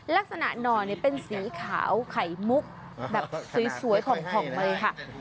ลักษณะหนอเป็นสีขาวไขมุกแบบสวยของเมือง